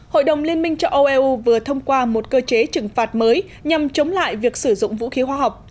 hội đồng liên minh châu âu eu vừa thông qua một cơ chế trừng phạt mới nhằm chống lại việc sử dụng vũ khí hóa học